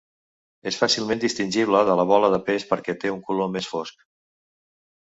És fàcilment distingible de la bola de peix perquè té un color més fosc.